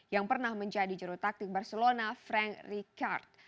yang pernah menjadi jerutaktik barcelona frank ricard